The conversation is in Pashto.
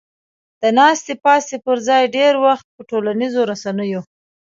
د ناستې پاستې پر ځای ډېر وخت په ټولنیزو رسنیو